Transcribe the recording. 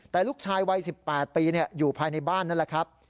แต่ลูกชายวัย๑๘ปีอยู่ภายในบ้านนั่นแหละครับ